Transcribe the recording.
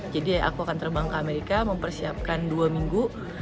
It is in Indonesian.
jadi aku akan terbang ke amerika mempersiapkan dua minggu